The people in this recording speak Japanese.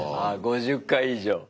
５０回以上。